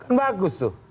kan bagus tuh